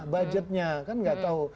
budgetnya kan nggak tahu